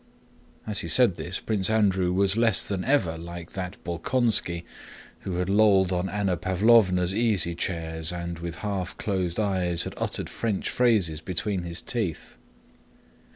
As he said this Prince Andrew was less than ever like that Bolkónski who had lolled in Anna Pávlovna's easy chairs and with half closed eyes had uttered French phrases between his teeth.